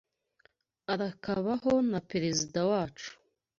Arakabaho na Prezida wacu